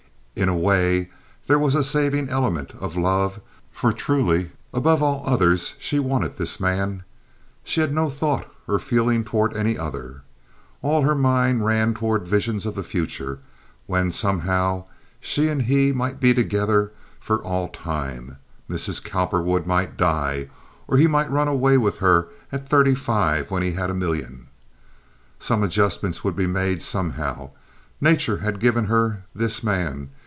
In a way, there was a saving element of love, for truly, above all others, she wanted this man. She had no thought or feeling toward any other. All her mind ran toward visions of the future, when, somehow, she and he might be together for all time. Mrs. Cowperwood might die, or he might run away with her at thirty five when he had a million. Some adjustment would be made, somehow. Nature had given her this man.